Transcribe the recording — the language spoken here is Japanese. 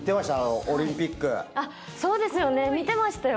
あっそうですよね見てましたよ。